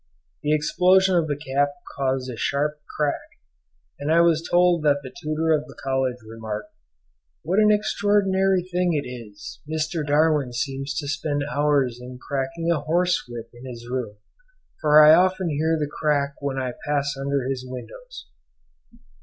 The explosion of the cap caused a sharp crack, and I was told that the tutor of the college remarked, "What an extraordinary thing it is, Mr. Darwin seems to spend hours in cracking a horse whip in his room, for I often hear the crack when I pass under his windows."